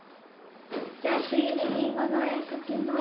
じゃあ次にリンゴの絵描きます。